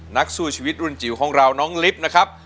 นักสู้ชีวิตรุ่นจิ๋วของเราน้องลิฟต์นะครับ